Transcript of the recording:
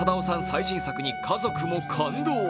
最新作に家族も感動。